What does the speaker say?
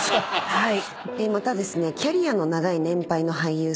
はい。